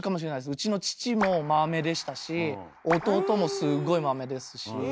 うちの父もまめでしたし弟もすごいまめですし。